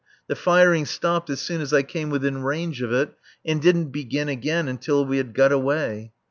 The firing stopped as soon as I came within range of it, and didn't begin again until we had got away.